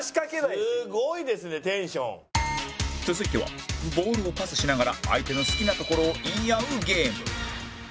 続いてはボールをパスしながら相手の好きなところを言い合うゲーム